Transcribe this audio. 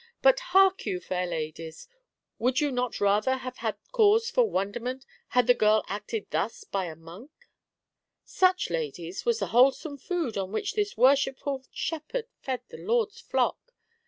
But hark you, fair ladies, would you not rather have had cause for wonderment, had the girl acted thus by the monk ?" "Such, ladies, was the wholesome food on which this worshipful shepherd fed the Lord's flock.